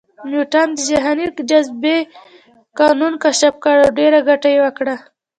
نیوټن د جهاني جاذبې قانون کشف کړ او ډېره ګټه یې وکړه